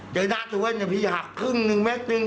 เจอยาเกลือดพี่หักครึ่งหนึ่งเม็ดหนึ่ง